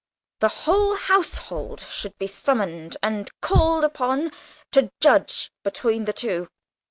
The whole household should be summoned and called upon to judge between the two!